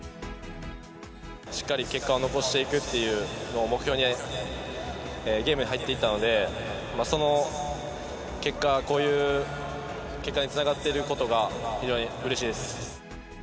しっかり結果を残していくっていうのを目標に、ゲームに入っていったので、その結果、こういう結果につながってることが、非常にうれしいです。